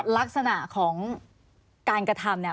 ลักษณะของการกระทำเนี่ย